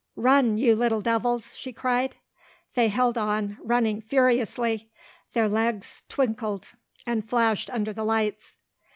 "Run, you little devils," she cried. They held on, running furiously. Their legs twinkled and flashed under the lights.